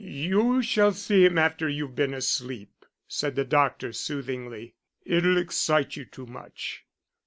"You shall see him after you've been asleep," said the doctor, soothingly. "It'll excite you too much."